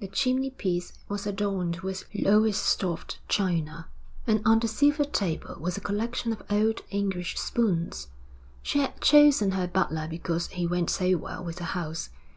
The chimney piece was adorned with Lowestoft china, and on the silver table was a collection of old English spoons. She had chosen her butler because he went so well with the house.